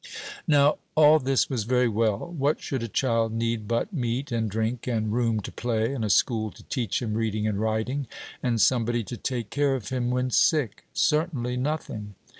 Now, all this was very well: what should a child need but meat, and drink, and room to play, and a school to teach him reading and writing, and somebody to take care of him when sick? Certainly, nothing.